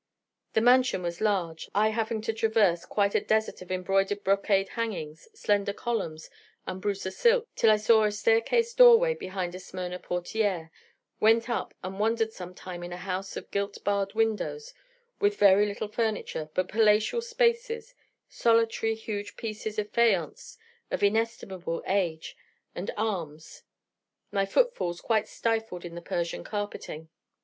The mansion was large, I having to traverse quite a desert of embroidered brocade hangings, slender columns, and Broussa silks, till I saw a stair case doorway behind a Smyrna portière, went up, and wandered some time in a house of gilt barred windows, with very little furniture, but palatial spaces, solitary huge pieces of faïence of inestimable age, and arms, my footfalls quite stifled in the Persian carpeting.